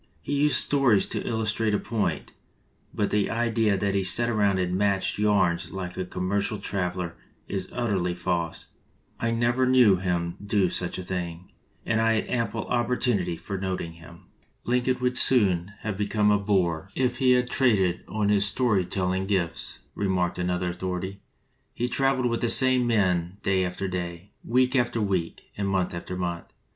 He used stories to illustrate a point, but the idea that he sat around and matched yarns like a commer cial traveler is utterly false. I never knew him to do such a thing, and I had ample opportunity for noting him." "Lincoln would soon have become a bore if he 193 LINCOLN THE LAWYER had traded on his story telling gifts," remarked another authority. "He traveled with the same men day after day, week after week, and month after month.